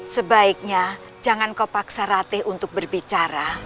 sebaiknya jangan kau paksa ratih untuk berbicara